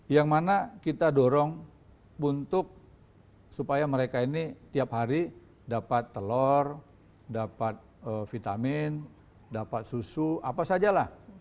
yang mana kita dorong untuk supaya mereka ini tiap hari dapat telur dapat vitamin dapat susu apa sajalah